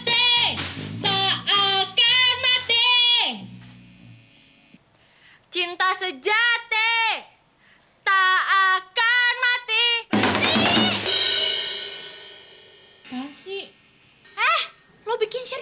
semoga dessertsnya lagi bukan ditidur